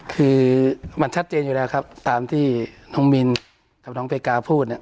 คือมันชัดเจนอยู่แล้วครับตามที่น้องมินกับน้องเพกาพูดเนี่ย